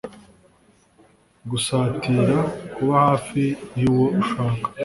gusatira: kuba hafi y’uwo ushaka